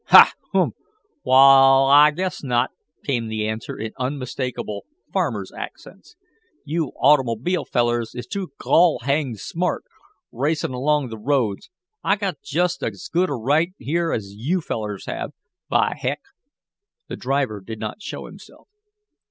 "Ha! Hum! Wa'al I guess not!" came the answer, in unmistakable farmer's accents. "You automobile fellers is too gol hanged smart, racin' along th' roads. I've got just as good a right here as you fellers have, by heck!" The driver did not show himself.